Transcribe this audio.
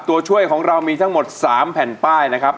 ตัวช่วยของเรามีทั้งหมด๓แผ่นป้ายนะครับ